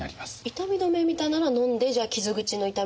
痛み止めみたいなのはのんでじゃあ傷口の痛みなんかは。